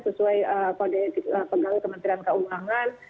sesuai kode etik pegawai kementerian keuangan